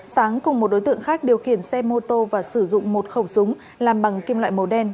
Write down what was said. sáng cùng một đối tượng khác điều khiển xe mô tô và sử dụng một khẩu súng làm bằng kim loại màu đen